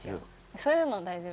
そういうの大丈夫です。